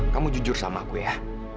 kamu jujur sama aku ya